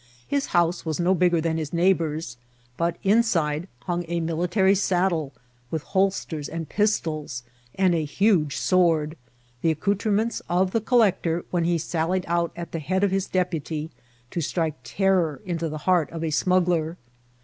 His house vras no bigger than his neighbours', but inside hung a military saddle, with holsters and pistols, and a huge sword, the accoutrements of the collector when he sal lied out at the head of his deputy to strike terror into the heart of a smuggler.